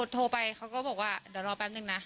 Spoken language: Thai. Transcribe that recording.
โทรไปเขาก็บอกว่าเดี๋ยวรอแป๊บนึงนะ